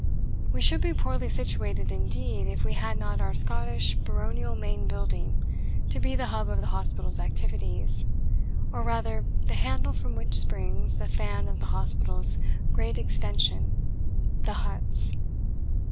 We should be poorly situated indeed if we had not our Scottish baronial main building to be the hub of the hospital's activities, or rather the handle from which springs the fan of the hospital's great extension the huts.